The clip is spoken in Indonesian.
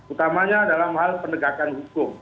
utamanya dalam hal penegakan hukum